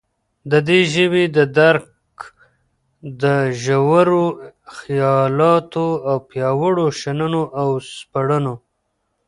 ددي ژبي ددرک دژورو خیالاتو او پیاوړو شننو او سپړنو